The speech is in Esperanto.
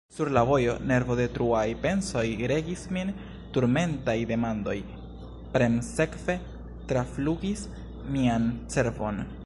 Sur la vojo nervodetruaj pensoj regis min; turmentaj demandoj premsekve traflugis mian cerbon.